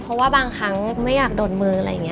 เพราะว่าบางครั้งไม่อยากโดนมืออะไรอย่างนี้